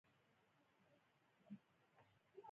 یا دا د خير خانې سټیشن دی.